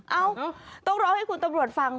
เอ้าต้องร้องให้คุณตำรวจฟัง